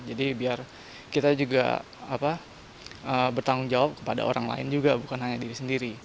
jadi biar kita juga bertanggung jawab kepada orang lain juga bukan hanya diri sendiri